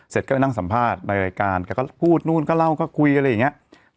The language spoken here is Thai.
เสร็จก็นั่งสัมภาษณ์รายรายการแล้วก็พูดนู่นก็เล่าก็คุยว่างเนี้ย